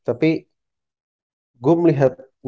tapi gue melihat nama